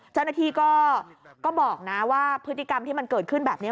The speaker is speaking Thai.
เจ้าหน้าที่ก็บอกนะว่าพฤติกรรมที่มันเกิดขึ้นแบบนี้